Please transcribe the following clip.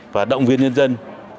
và động viên nhân dân